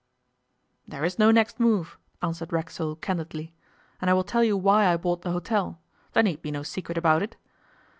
'There is no next move,' answered Racksole candidly, 'and I will tell you why I bought the hotel; there need be no secret about it.